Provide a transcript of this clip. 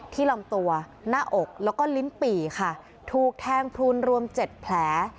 ลำตัวหน้าอกแล้วก็ลิ้นปี่ค่ะถูกแทงพลูนรวม๗แผล